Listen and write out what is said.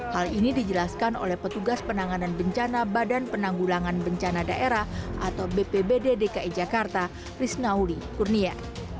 hal ini dijelaskan oleh petugas penanganan bencana badan penanggulangan bencana daerah atau bpbd dki jakarta risnauli kurnia